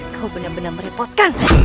kau benar benar merepotkan